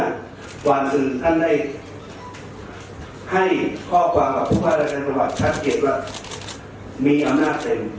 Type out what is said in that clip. กว่าซึ่งท่านได้ให้ข้อความกับผู้พัดละการประวัติชัดเก็บว่ามีอำนาจเต็ม